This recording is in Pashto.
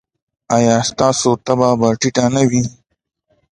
ایا ستاسو تبه به ټیټه نه وي؟